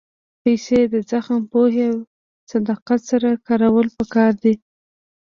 پېسې د زغم، پوهې او صداقت سره کارول پکار دي.